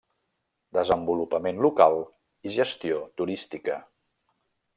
Desenvolupament local i gestió turística.